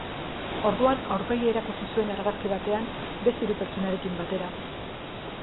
Orduan aurpegia erakutsi zuen argazki batean, beste hiru pertsonarekin batera.